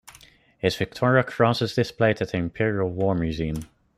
His Victoria Cross is displayed at the Imperial War Museum.